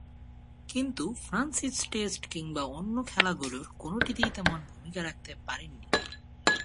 কিন্তু, Francis test কিংবা অন্য খেলাগুলোর কোনটিতেই তেমন ভূমিকা রাখতে পারেননি।